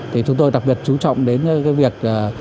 thì chúng tôi đặc biệt chú trọng đến cái việc